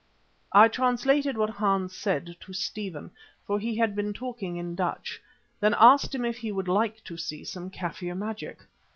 I translated what Hans said to Stephen, for he had been talking in Dutch, then asked him if he would like to see some Kaffir magic.